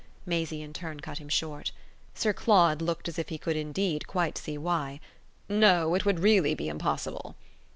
Maisie in turn cut him short. Sir Claude looked as if he could indeed quite see why. "No; it would really be impossible."